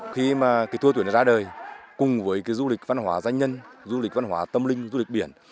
khi mà cái thua tuyển ra đời cùng với cái du lịch văn hóa danh nhân du lịch văn hóa tâm linh du lịch biển